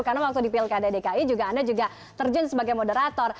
karena waktu di pilkada dki anda juga terjun sebagai moderator